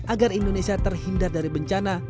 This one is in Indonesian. agar indonesia terhindar dari bencana